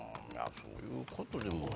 そういうことでしょ？